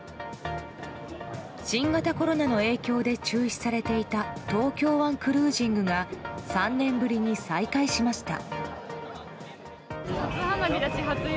新型コロナの影響で中止されていた東京湾クルージングが３年ぶりに再会しました。